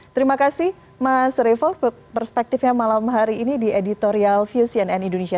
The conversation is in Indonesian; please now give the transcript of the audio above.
terima kasih mas revo perspektifnya malam hari ini di editorial view cnn indonesia